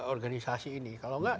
organisasi ini kalau tidak